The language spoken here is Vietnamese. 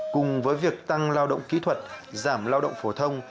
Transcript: cùng với việc tăng lao động kỹ thuật giảm lao động phổ thông